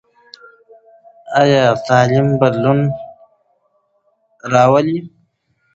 ایا تعلیم بدلون راولي؟